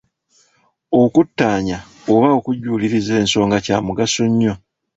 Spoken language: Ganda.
Okuttaanya oba okujjuuliriza ensonga kya mugaso nnyo.